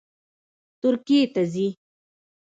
ترکیې ته ځي